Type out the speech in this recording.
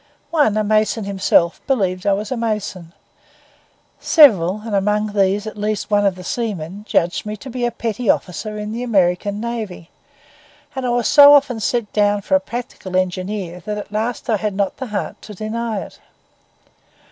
One, a mason himself, believed I was a mason; several, and among these at least one of the seaman, judged me to be a petty officer in the American navy; and I was so often set down for a practical engineer that at last I had not the heart to deny it.